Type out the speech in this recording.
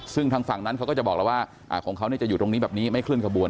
ซึ่งทางฝั่งนั้นเขาก็จะบอกแล้วว่าของเขาจะอยู่ตรงนี้แบบนี้ไม่เคลื่อขบวน